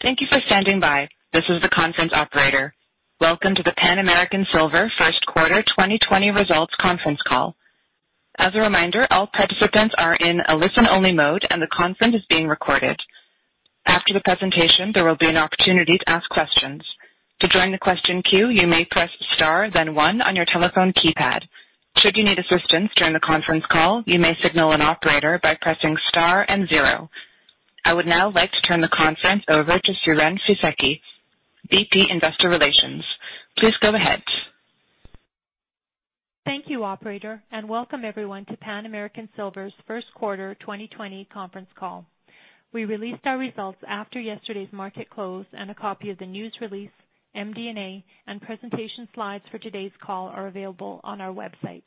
Thank you for standing by. This is the conference operator. Welcome to the Pan American Silver first quarter 2020 results conference call. As a reminder, all participants are in a listen-only mode, and the conference is being recorded. After the presentation, there will be an opportunity to ask questions. To join the question queue, you may press star, then one on your telephone keypad. Should you need assistance during the conference call, you may signal an operator by pressing star and zero. I would now like to turn the conference over to Siren Fisekci, VP Investor Relations. Please go ahead. Thank you, Operator, and welcome everyone to Pan American Silver's first quarter 2020 conference call. We released our results after yesterday's market close, and a copy of the news release, MD&A, and presentation slides for today's call are available on our website.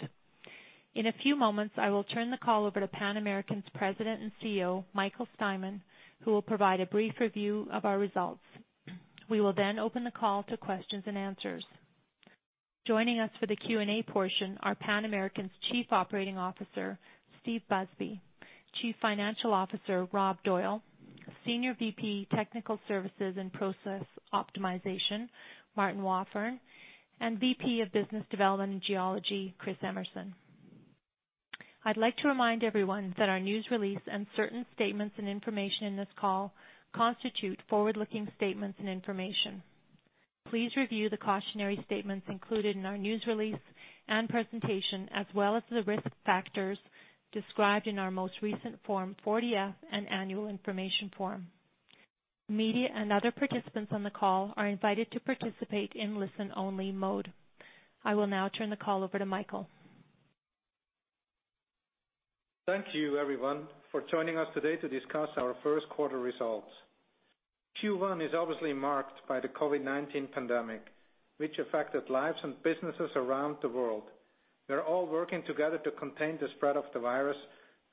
In a few moments, I will turn the call over to Pan American's President and CEO, Michael Steinmann, who will provide a brief review of our results. We will then open the call to questions and answers. Joining us for the Q&A portion are Pan American's Chief Operating Officer, Steve Busby, Chief Financial Officer, Rob Doyle, Senior VP Technical Services and Process Optimization, Martin Wafforn, and VP of Business Development and Geology, Chris Emerson. I'd like to remind everyone that our news release and certain statements and information in this call constitute forward-looking statements and information. Please review the cautionary statements included in our news release and presentation, as well as the risk factors described in our most recent Form 40-F, and Annual Information Form. Media and other participants on the call are invited to participate in listen-only mode. I will now turn the call over to Michael. Thank you, everyone, for joining us today to discuss our first quarter results. Q1 is obviously marked by the COVID-19 pandemic, which affected lives and businesses around the world. We are all working together to contain the spread of the virus,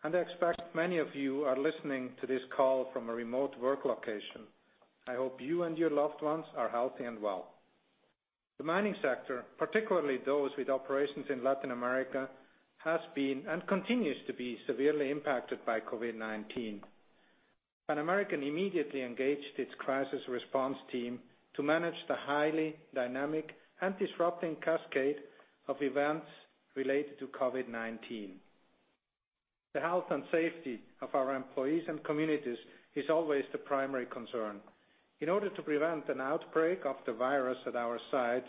and I expect many of you are listening to this call from a remote work location. I hope you and your loved ones are healthy and well. The mining sector, particularly those with operations in Latin America, has been and continues to be severely impacted by COVID-19. Pan American immediately engaged its crisis response team to manage the highly dynamic and disrupting cascade of events related to COVID-19. The health and safety of our employees and communities is always the primary concern. In order to prevent an outbreak of the virus at our sites,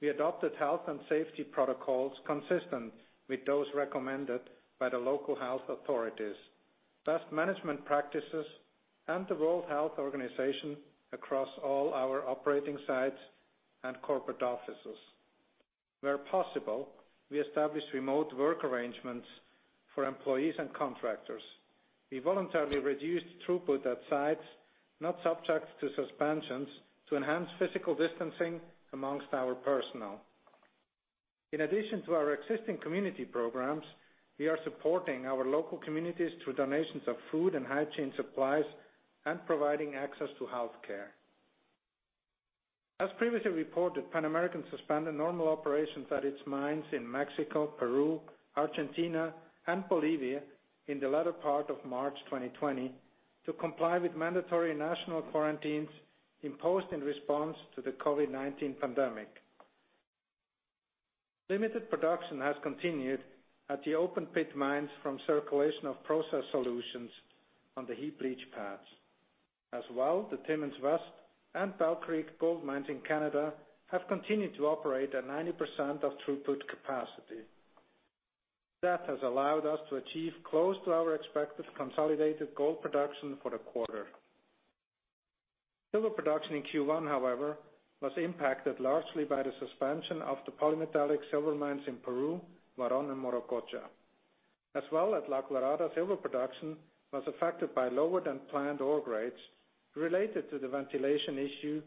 we adopted health and safety protocols consistent with those recommended by the local health authorities, best management practices, and the World Health Organization across all our operating sites and corporate offices. Where possible, we established remote work arrangements for employees and contractors. We voluntarily reduced throughput at sites not subject to suspensions to enhance physical distancing among our personnel. In addition to our existing community programs, we are supporting our local communities through donations of food and hygiene supplies and providing access to healthcare. As previously reported, Pan American Silver suspended normal operations at its mines in Mexico, Peru, Argentina, and Bolivia in the latter part of March 2020 to comply with mandatory national quarantines imposed in response to the COVID-19 pandemic. Limited production has continued at the open pit mines from circulation of process solutions on the heap leach pads. As well, the Timmins West and Bell Creek gold mines in Canada have continued to operate at 90% of throughput capacity. That has allowed us to achieve close to our expected consolidated gold production for the quarter. Silver production in Q1, however, was impacted largely by the suspension of the polymetallic silver mines in Peru, Huaron, and Morococha. As well, at La Colorada, silver production was affected by lower than planned ore grades related to the ventilation issue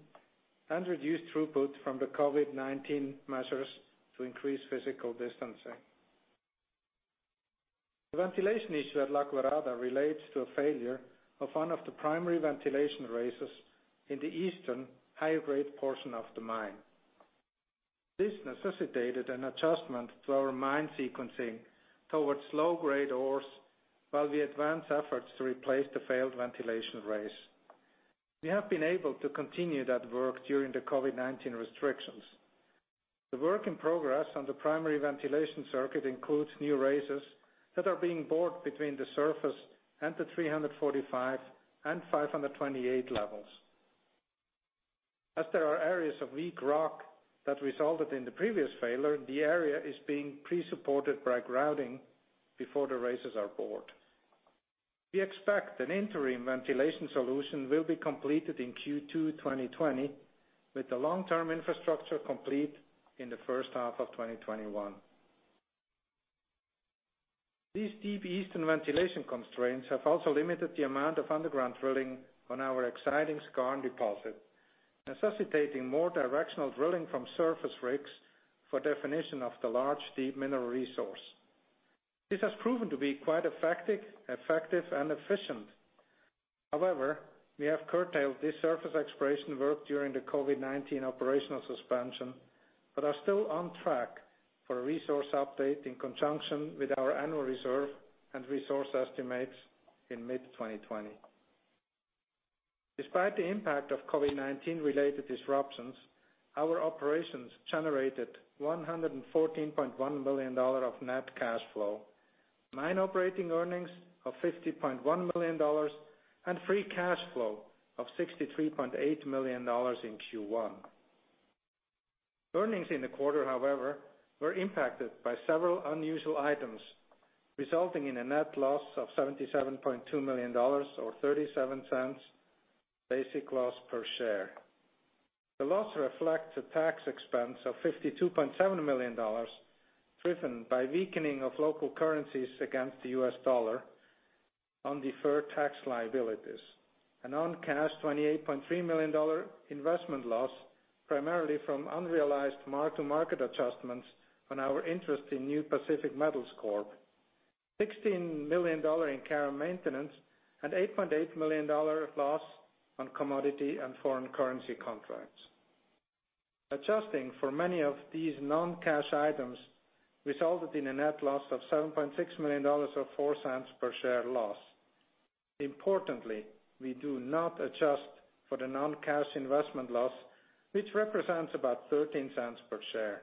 and reduced throughput from the COVID-19 measures to increase physical distancing. The ventilation issue at La Colorada relates to a failure of one of the primary ventilation raises in the eastern higher grade portion of the mine. This necessitated an adjustment to our mine sequencing towards low grade ores while we advance efforts to replace the failed ventilation raise. We have been able to continue that work during the COVID-19 restrictions. The work in progress on the primary ventilation circuit includes new raises that are being bored between the surface and the 345 and 528 levels. As there are areas of weak rock that resulted in the previous failure, the area is being pre-supported by grouting before the raises are bored. We expect an interim ventilation solution will be completed in Q2 2020, with the long-term infrastructure complete in the first half of 2021. These deep eastern ventilation constraints have also limited the amount of underground drilling on our exciting skarn deposit, necessitating more directional drilling from surface rigs for definition of the large deep mineral resource. This has proven to be quite effective and efficient. However, we have curtailed this surface exploration work during the COVID-19 operational suspension but are still on track for a resource update in conjunction with our annual reserve and resource estimates in mid-2020. Despite the impact of COVID-19-related disruptions, our operations generated $114.1 million of net cash flow, mine operating earnings of $50.1 million, and free cash flow of $63.8 million in Q1. Earnings in the quarter, however, were impacted by several unusual items, resulting in a net loss of $77.2 million or $0.37 basic loss per share. The loss reflects a tax expense of $52.7 million driven by weakening of local currencies against the U.S. dollar on deferred tax liabilities, a non-cash $28.3 million investment loss primarily from unrealized mark-to-market adjustments on our interest in New Pacific Metals Corp, $16 million in carry maintenance, and $8.8 million loss on commodity and foreign currency contracts. Adjusting for many of these non-cash items resulted in a net loss of $7.6 million or $0.04 per share loss. Importantly, we do not adjust for the non-cash investment loss, which represents about $0.13 per share.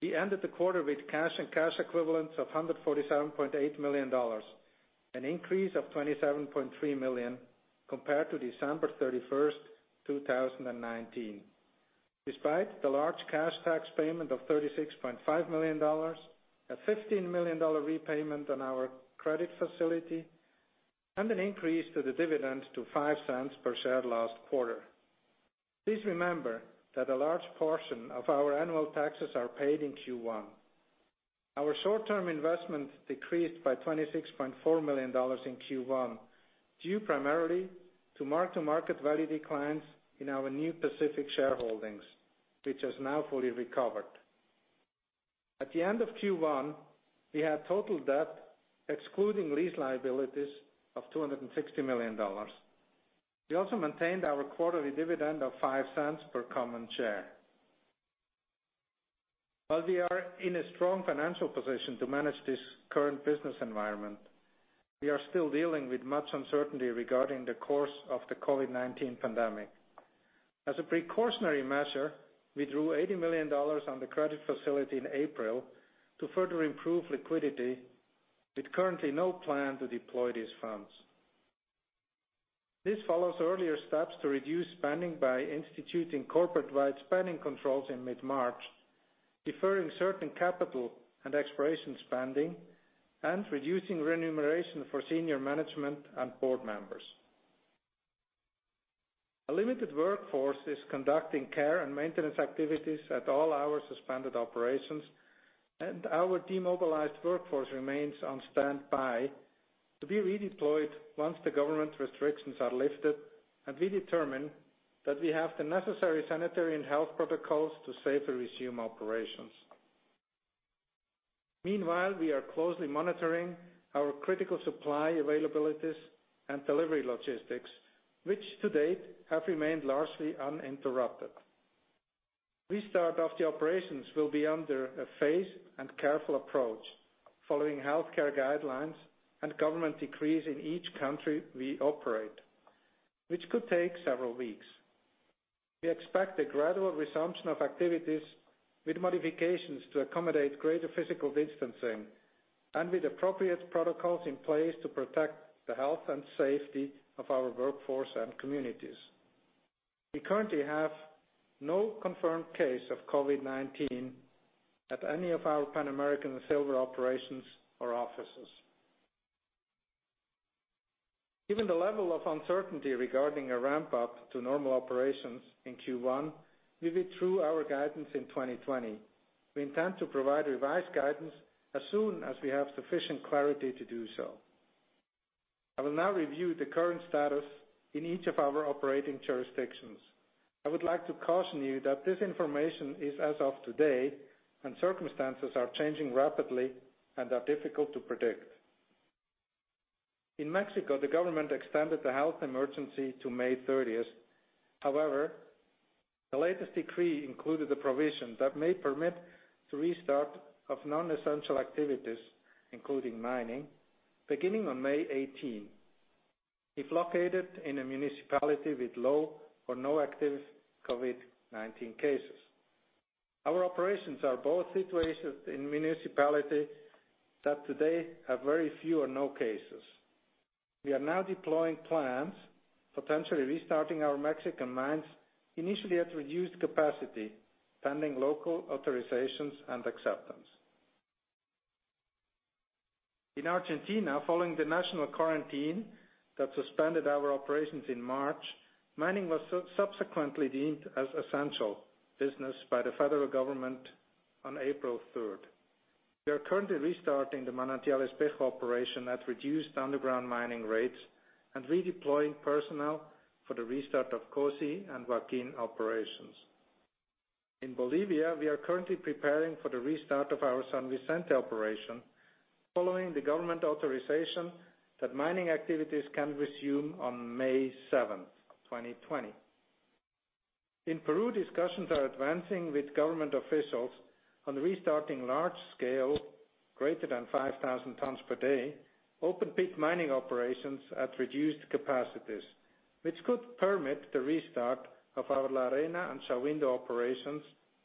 We ended the quarter with cash and cash equivalents of $147.8 million, an increase of $27.3 million compared to December 31, 2019. Despite the large cash tax payment of $36.5 million, a $15 million repayment on our credit facility, and an increase to the dividend to $0.05 per share last quarter. Please remember that a large portion of our annual taxes are paid in Q1. Our short-term investment decreased by $26.4 million in Q1 due primarily to mark-to-market value declines in our New Pacific shareholdings, which has now fully recovered. At the end of Q1, we had total debt, excluding lease liabilities, of $260 million. We also maintained our quarterly dividend of $0.05 per common share. While we are in a strong financial position to manage this current business environment, we are still dealing with much uncertainty regarding the course of the COVID-19 pandemic. As a precautionary measure, we drew $80 million on the credit facility in April to further improve liquidity, with currently no plan to deploy these funds. This follows earlier steps to reduce spending by instituting corporate-wide spending controls in mid-March, deferring certain capital and exploration spending, and reducing remuneration for senior management and board members. A limited workforce is conducting care and maintenance activities at all our suspended operations, and our demobilized workforce remains on standby to be redeployed once the government restrictions are lifted and we determine that we have the necessary sanitary and health protocols to safely resume operations. Meanwhile, we are closely monitoring our critical supply availabilities and delivery logistics, which to date have remained largely uninterrupted. Restart of the operations will be under a phased and careful approach, following healthcare guidelines and government decrees in each country we operate, which could take several weeks. We expect a gradual resumption of activities with modifications to accommodate greater physical distancing and with appropriate protocols in place to protect the health and safety of our workforce and communities. We currently have no confirmed case of COVID-19 at any of our Pan American Silver operations or offices. Given the level of uncertainty regarding a ramp-up to normal operations in Q1, we withdrew our guidance in 2020. We intend to provide revised guidance as soon as we have sufficient clarity to do so. I will now review the current status in each of our operating jurisdictions. I would like to caution you that this information is as of today, and circumstances are changing rapidly and are difficult to predict. In Mexico, the government extended the health emergency to May 30. However, the latest decree included a provision that may permit the restart of non-essential activities, including mining, beginning on May 18, if located in a municipality with low or no active COVID-19 cases. Our operations are both situated in municipalities that today have very few or no cases. We are now deploying plans, potentially restarting our Mexican mines initially at reduced capacity pending local authorizations and acceptance. In Argentina, following the national quarantine that suspended our operations in March, mining was subsequently deemed as essential business by the federal government on April 3. We are currently restarting the Manantial Espejo operation at reduced underground mining rates and redeploying personnel for the restart of COSE and Joaqu´in operations. In Bolivia, we are currently preparing for the restart of our San Vicente operation, following the government authorization that mining activities can resume on May 7, 2020. In Peru, discussions are advancing with government officials on restarting large-scale, greater than 5,000 tons per day, open pit mining operations at reduced capacities, which could permit the restart of our La Arena and Shahuindo operations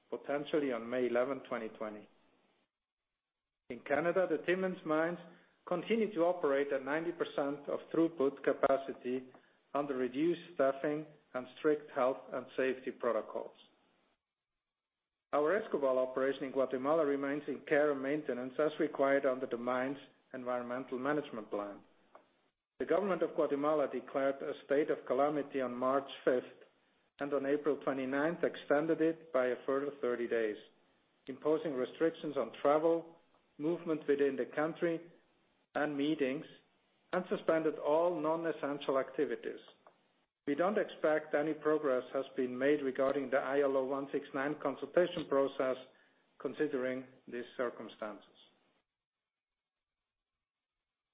potentially on May 11, 2020. In Canada, the Timmins mines continue to operate at 90% of throughput capacity under reduced staffing and strict health and safety protocols. Our Escobal operation in Guatemala remains in care and maintenance as required under the mine's environmental management plan. The government of Guatemala declared a state of calamity on March 5 and on April 29 extended it by a further 30 days, imposing restrictions on travel, movement within the country, and meetings, and suspended all non-essential activities. We don't expect any progress has been made regarding the ILO 169 consultation process considering these circumstances.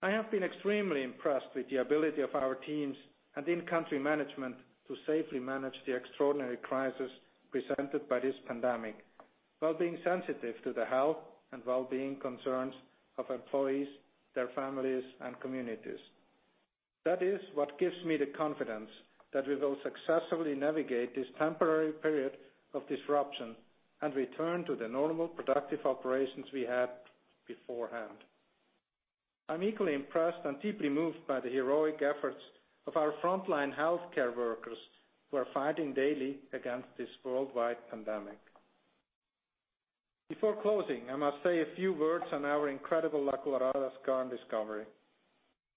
I have been extremely impressed with the ability of our teams and in-country management to safely manage the extraordinary crisis presented by this pandemic while being sensitive to the health and well-being concerns of employees, their families, and communities. That is what gives me the confidence that we will successfully navigate this temporary period of disruption and return to the normal productive operations we had beforehand. I'm equally impressed and deeply moved by the heroic efforts of our frontline healthcare workers who are fighting daily against this worldwide pandemic. Before closing, I must say a few words on our incredible La Colorada skarn discovery.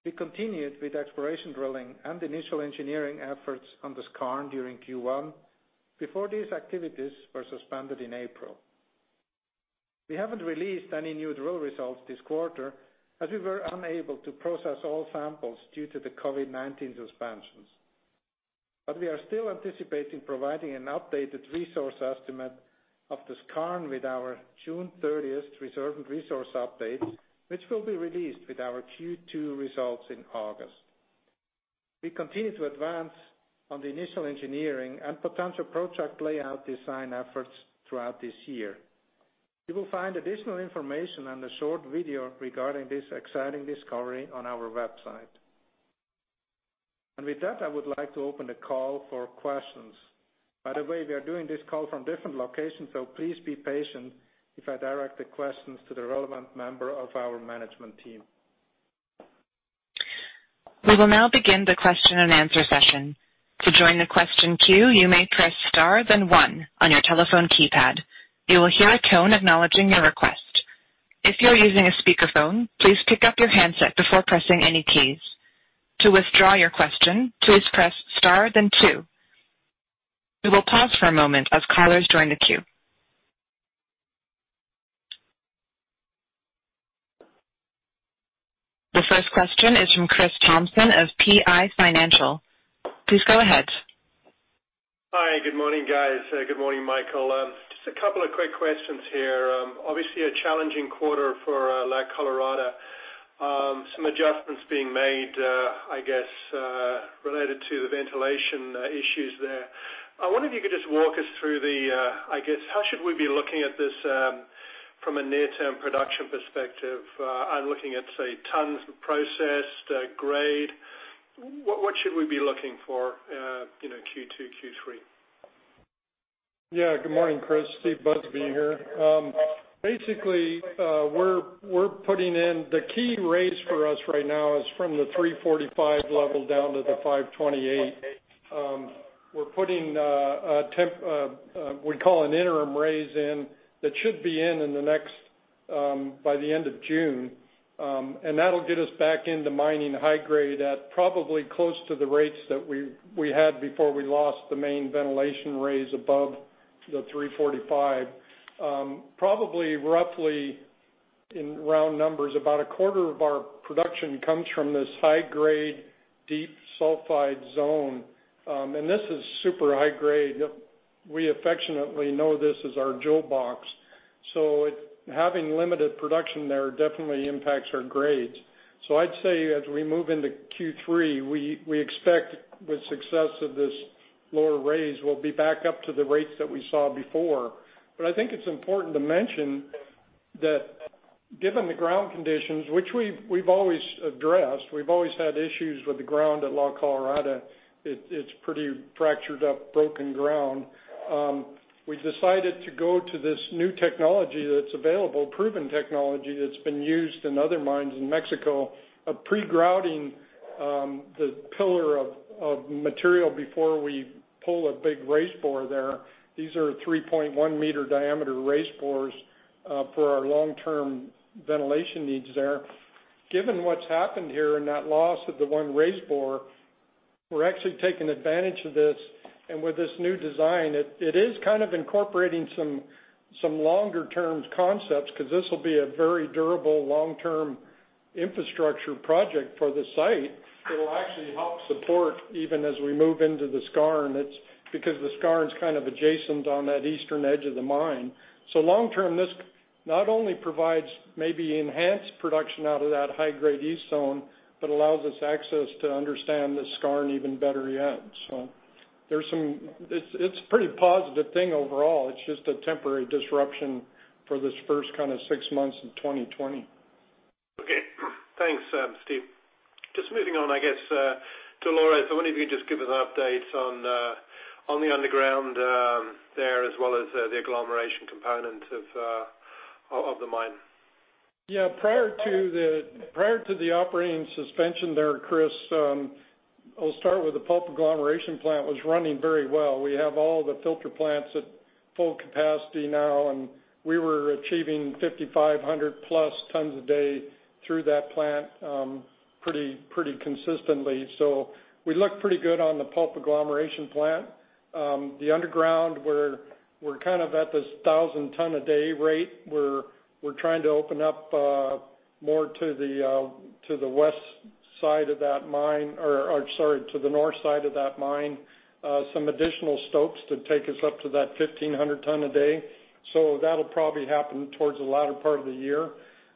We continued with exploration drilling and initial engineering efforts on the skarn during Q1 before these activities were suspended in April. We haven't released any new drill results this quarter as we were unable to process all samples due to the COVID-19 suspensions. But we are still anticipating providing an updated resource estimate of the skarn with our June 30 reserve and resource updates, which will be released with our Q2 results in August. We continue to advance on the initial engineering and potential project layout design efforts throughout this year. You will find additional information and a short video regarding this exciting discovery on our website. And with that, I would like to open the call for questions. By the way, we are doing this call from different locations, so please be patient if I direct the questions to the relevant member of our management team. We will now begin the question and answer session. To join the question queue, you may press star, then one on your telephone keypad. You will hear a tone acknowledging your request. If you're using a speakerphone, please pick up your handset before pressing any keys. To withdraw your question, please press star, then two. We will pause for a moment as callers join the queue. The first question is from Chris Thompson of PI Financial. Please go ahead. Hi. Good morning, guys. Good morning, Michael. Just a couple of quick questions here. Obviously, a challenging quarter for La Colorada. Some adjustments being made, I guess, related to the ventilation issues there. I wonder if you could just walk us through the, I guess, how should we be looking at this from a near-term production perspective? I'm looking at, say, tons processed, grade. What should we be looking for Q2, Q3? Yeah. Good morning, Chris. Steve Busby here. Basically, we're putting in the key raise for us right now is from the 345 level down to the 528. We're putting a temp we call an interim raise in that should be in by the end of June. And that'll get us back into mining high-grade at probably close to the rates that we had before we lost the main ventilation raise above the 345. Probably roughly, in round numbers, about a quarter of our production comes from this high-grade deep sulfide zone. And this is super high-grade. We affectionately know this as our Jewel Box. Having limited production there definitely impacts our grades. So I'd say as we move into Q3, we expect with success of this lower raise, we'll be back up to the rates that we saw before. But I think it's important to mention that given the ground conditions, which we've always addressed, we've always had issues with the ground at La Colorada. It's pretty fractured up, broken ground. We decided to go to this new technology that's available, proven technology that's been used in other mines in Mexico, of pre-grouting the pillar of material before we pull a big raise bore there. These are 3.1 m diameter raise bores for our long-term ventilation needs there. Given what's happened here and that loss of the one raise bore, we're actually taking advantage of this. And with this new design, it is kind of incorporating some longer-term concepts because this will be a very durable long-term infrastructure project for the site. It'll actually help support even as we move into the skarn. It's because the skarn's kind of adjacent on that eastern edge of the mine. So long-term, this not only provides maybe enhanced production out of that high-grade east zone, but allows us access to understand the skarn even better yet. So there's some, it's a pretty positive thing overall. It's just a temporary disruption for this first kind of six months of 2020. Okay. Thanks, Steve. Just moving on, I guess, to Delores. I wonder if you could just give us an update on the underground there as well as the agglomeration component of the mine. Yeah. Prior to the operating suspension there, Chris, I'll start with the pulp agglomeration plant was running very well. We have all the filter plants at full capacity now, and we were achieving 5,500+ tons a day through that plant pretty consistently. So we look pretty good on the pulp agglomeration plant. The underground, we're kind of at this 1,000-ton-a-day rate. We're trying to open up more to the west side of that mine or, sorry, to the north side of that mine, some additional stopes to take us up to that 1,500-ton-a-day. So that'll probably happen towards the latter part of the year.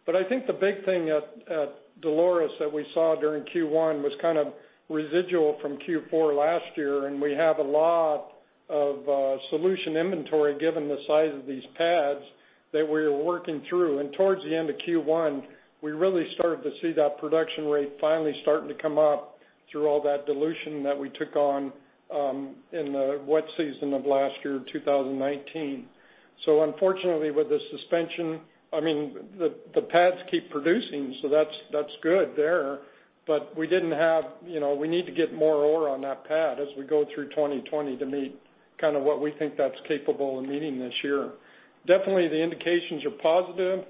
But I think the big thing at Dolores that we saw during Q1 was kind of residual from Q4 last year. And we have a lot of solution inventory given the size of these pads that we're working through. Towards the end of Q1, we really started to see that production rate finally starting to come up through all that dilution that we took on in the wet season of last year, 2019. Unfortunately, with the suspension, I mean, the pads keep producing, so that's good there. We didn't have. We need to get more ore on that pad as we go through 2020 to meet kind of what we think that's capable of meeting this year. Definitely, the indications are positive.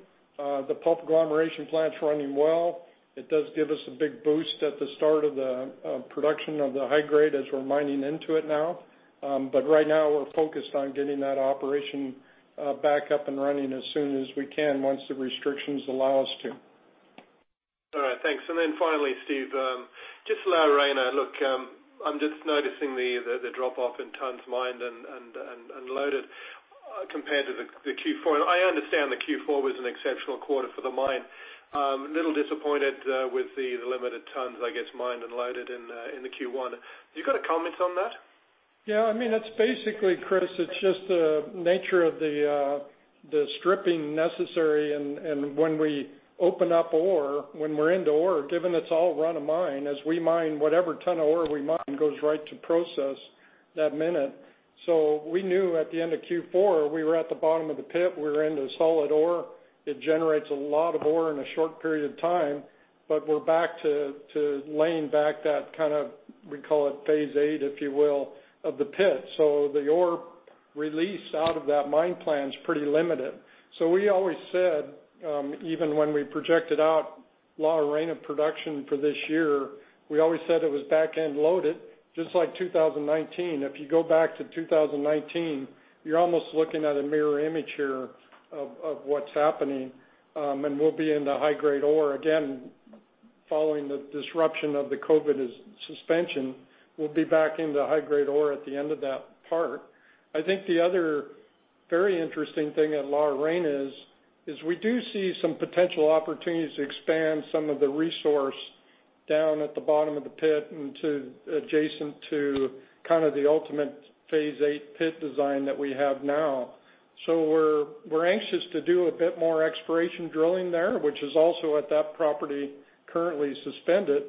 The pulp agglomeration plant's running well. It does give us a big boost at the start of the production of the high-grade as we're mining into it now. Right now, we're focused on getting that operation back up and running as soon as we can once the restrictions allow us to. All right. Thanks. Then finally, Steve, just La Arena. Look, I'm just noticing the drop-off in tons mined and loaded compared to the Q4. I understand the Q4 was an exceptional quarter for the mine. A little disappointed with the limited tons, I guess, mined and loaded in the Q1. You've got a comment on that? Yeah. I mean, that's basically, Chris, it's just the nature of the stripping necessary. And when we open up ore, when we're into ore, given it's all run-of-mine, as we mine, whatever ton of ore we mine goes right to process that minute. So we knew at the end of Q4, we were at the bottom of the pit. We were into solid ore. It generates a lot of ore in a short period of time. But we're back to laying back that kind of, we call it phase eight, if you will, of the pit. The ore release out of that mine plan is pretty limited. We always said, even when we projected out La Arena production for this year, we always said it was back-end loaded, just like 2019. If you go back to 2019, you're almost looking at a mirror image here of what's happening. And we'll be into high-grade ore. Again, following the disruption of the COVID suspension, we'll be back into high-grade ore at the end of that part. I think the other very interesting thing at La Arena is we do see some potential opportunities to expand some of the resource down at the bottom of the pit and adjacent to kind of the ultimate phase eight pit design that we have now. We're anxious to do a bit more exploration drilling there, which is also at that property currently suspended.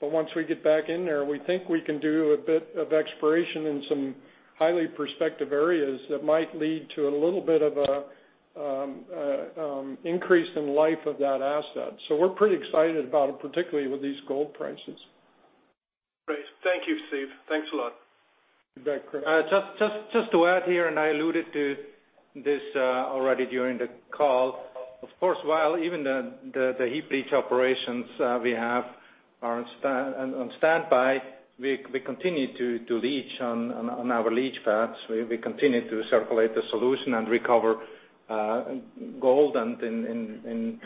But once we get back in there, we think we can do a bit of exploration in some highly prospective areas that might lead to a little bit of an increase in life of that asset. So we're pretty excited about it, particularly with these gold prices. Great. Thank you, Steve. Thanks a lot. You bet, Chris. Just to add here, and I alluded to this already during the call. Of course, while even the heap leach operations we have are on standby, we continue to leach on our leach pads. We continue to circulate the solution and recover gold. And in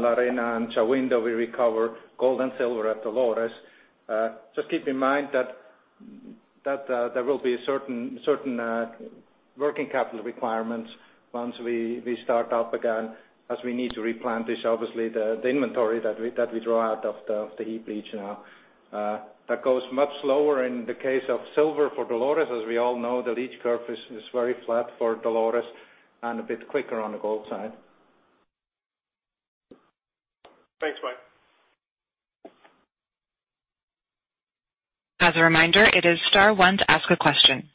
La Arena and Shahuindo, we recover gold and silver at Dolores. Just keep in mind that there will be certain working capital requirements once we start up again as we need to replenish this, obviously, the inventory that we draw out of the heap leach now. That goes much slower in the case of silver for Dolores. As we all know, the leach curve is very flat for Dolores and a bit quicker on the gold side. Thanks, Mike. As a reminder, it is star one to ask a question.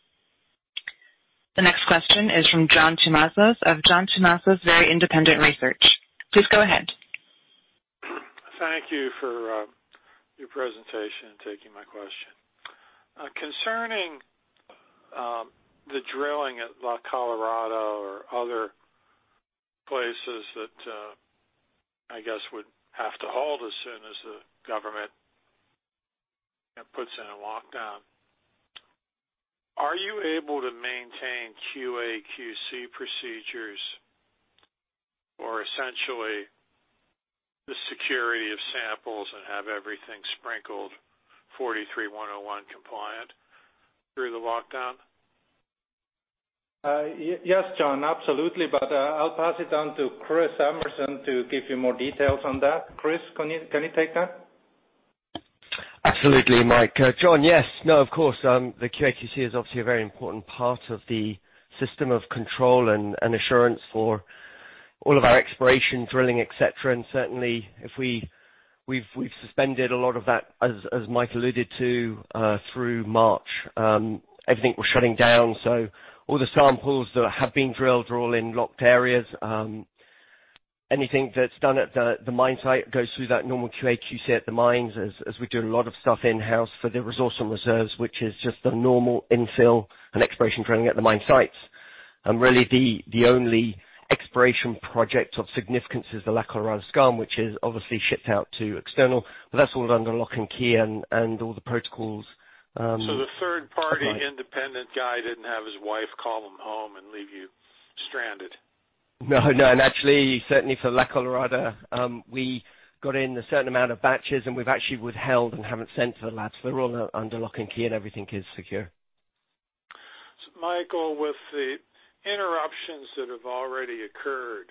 The next question is from John Tumazos of Very Independent Research. Please go ahead. Thank you for your presentation and taking my question. Concerning the drilling at La Colorada or other places that I guess would have to hold as soon as the government puts in a lockdown, are you able to maintain QA/QC procedures or essentially the security of samples and have everything NI 43-101 compliant through the lockdown? Yes, John, absolutely. But I'll pass it down to Chris Emerson to give you more details on that. Chris, can you take that? Absolutely, Mike. John, yes. No, of course. The QA/QC is obviously a very important part of the system of control and assurance for all of our exploration, drilling, etc., and certainly, we've suspended a lot of that, as Mike alluded to, through March. Everything was shutting down, so all the samples that have been drilled are all in locked areas. Anything that's done at the mine site goes through that normal QA/QC at the mines as we do a lot of stuff in-house for the resource and reserves, which is just the normal infill and exploration drilling at the mine sites, and really, the only exploration project of significance is the La Colorada skarn, which is obviously shipped out to external, but that's all under lock and key and all the protocols. So the third-party independent guy didn't have his wife call him home and leave you stranded. No, no. Actually, certainly for La Colorada, we got in a certain amount of batches, and we've actually withheld and haven't sent to the labs. They're all under lock and key, and everything is secure. Michael, with the interruptions that have already occurred,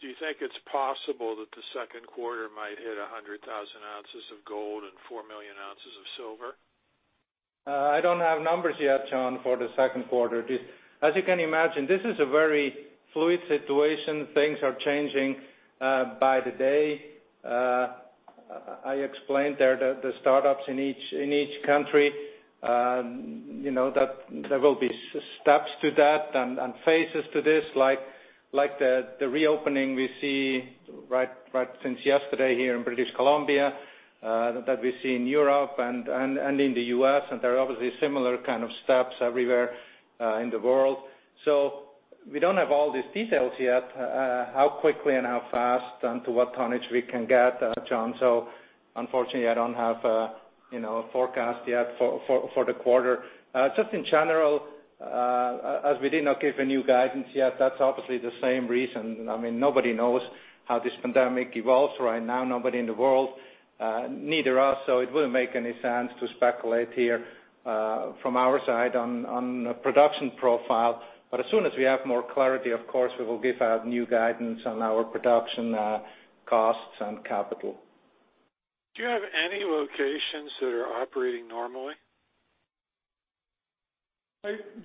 do you think it's possible that the second quarter might hit 100,000 ounces of gold and 4 million ounces of silver? I don't have numbers yet, John, for the second quarter. As you can imagine, this is a very fluid situation. Things are changing by the day. I explained there the startups in each country. There will be steps to that and phases to this, like the reopening we see right since yesterday here in British Columbia that we see in Europe and in the US. And there are obviously similar kind of steps everywhere in the world. We don't have all these details yet, how quickly and how fast and to what tonnage we can get, John. So unfortunately, I don't have a forecast yet for the quarter. Just in general, as we did not give any new guidance yet, that's obviously the same reason. I mean, nobody knows how this pandemic evolves right now. Nobody in the world, neither us. So it wouldn't make any sense to speculate here from our side on the production profile. But as soon as we have more clarity, of course, we will give out new guidance on our production costs and capital. Do you have any locations that are operating normally?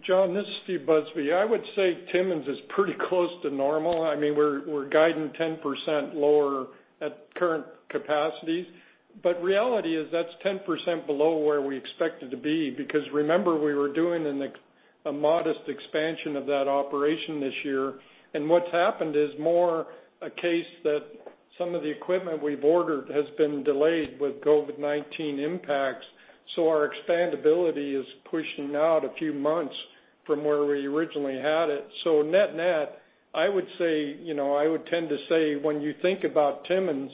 John, this is Steve Busby. I would say Timmins is pretty close to normal. I mean, we're guiding 10% lower at current capacities. But reality is that's 10% below where we expect it to be because remember, we were doing a modest expansion of that operation this year. And what's happened is more a case that some of the equipment we've ordered has been delayed with COVID-19 impacts. So our expandability is pushing out a few months from where we originally had it. So net-net, I would say I would tend to say when you think about Timmins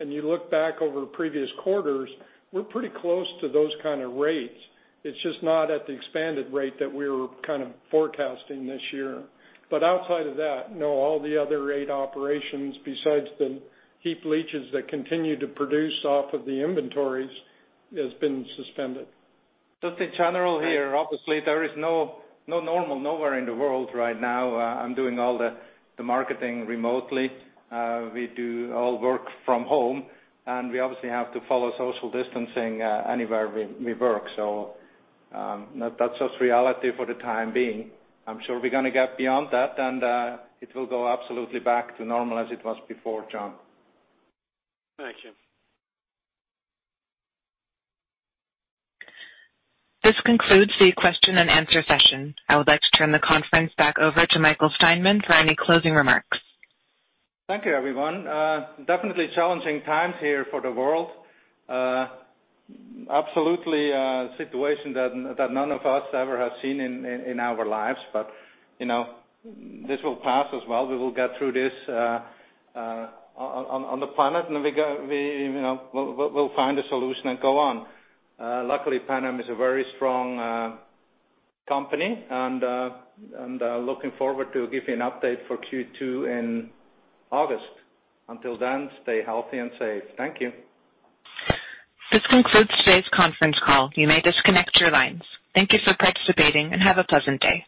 and you look back over previous quarters, we're pretty close to those kind of rates. It's just not at the expanded rate that we were kind of forecasting this year. But outside of that, no, all the other eight operations besides the heap leaches that continue to produce off of the inventories has been suspended. Just in general here, obviously, there is no normal nowhere in the world right now. I'm doing all the marketing remotely. We do all work from home, and we obviously have to follow social distancing anywhere we work. So that's just reality for the time being. I'm sure we're going to get beyond that, and it will go absolutely back to normal as it was before, John. Thank you. This concludes the question and answer session. I would like to turn the conference back over to Michael Steinmann for any closing remarks. Thank you, everyone. Definitely challenging times here for the world. Absolutely a situation that none of us ever have seen in our lives, but this will pass as well. We will get through this on the planet, and we'll find a solution and go on. Luckily, Pan Am is a very strong company, and looking forward to giving an update for Q2 in August. Until then, stay healthy and safe. Thank you. This concludes today's conference call. You may disconnect your lines. Thank you for participating and have a pleasant day.